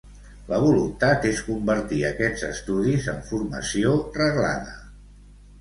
La voluntat és convertir aquests estudis en formació reglada.